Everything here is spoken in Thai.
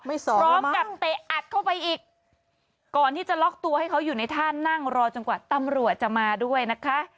พร้อมกับเตะอัดเข้าไปอีกก่อนที่จะล็อกตัวให้เขาอยู่ในท่านั่งรอจนกว่าตำรวจจะมาด้วยนะคะ